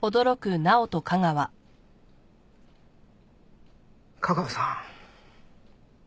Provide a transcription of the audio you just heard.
架川さん。